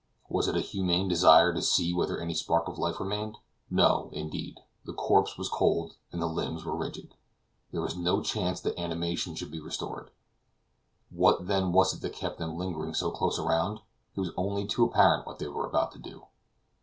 Was it a humane desire to see whether any sparks of life remained? No, indeed; the corpse was cold, and the limbs were rigid; there was no chance that animation should be restored. What then was it that kept them lingering so close around? It was only too apparent what they were about to do.